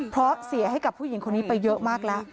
เพราะเสียให้กับผู้หญิงคนนี้ไปเยอะมากแล้ว